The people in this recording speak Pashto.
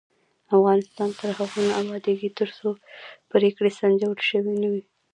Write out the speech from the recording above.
افغانستان تر هغو نه ابادیږي، ترڅو پریکړې سنجول شوې نه وي.